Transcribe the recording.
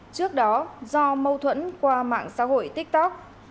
trước đó do mâu thuẫn qua mạng xã hội tiktok